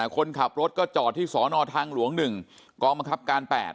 คนขับรถก็จอดที่สนทางหลวง๑กมก๘